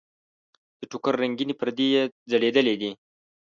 د ټوکر رنګینې پردې یې ځړېدلې دي.